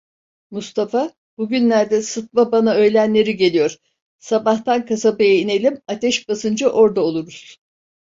Mustafa, bugünlerde sıtma bana öğlenleri geliyor, sabahtan kasabaya inelim, ateş basınca orda oluruz!